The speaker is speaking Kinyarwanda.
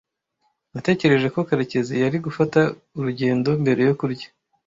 Natekereje ko Karekezi yari gufata urugendo mbere yo kurya.